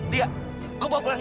lang ini lah